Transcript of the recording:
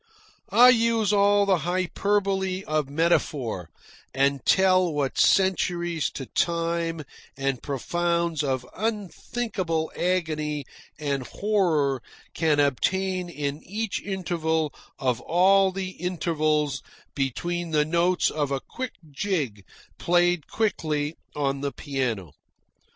I use all the hyperbole of metaphor, and tell what centuries of time and profounds of unthinkable agony and horror can obtain in each interval of all the intervals between the notes of a quick jig played quickly on the piano.